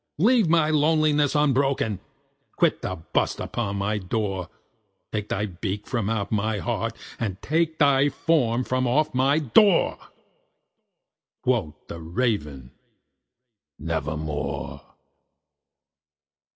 Leave my loneliness unbroken! quit the bust above my door! Take thy beak from out my heart, and take thy form from off my door!" Quoth the Raven, "Nevermore."